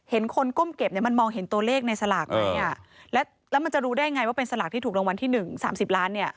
เห็นคนก้มเก็บเนี่ยมันมองเห็นตัวเลขในสลากไหมอ่ะแล้วมันจะรู้ได้ไงว่าเป็นสลากที่ถูกรางวัลที่๑๓๐ล้านเนี่ย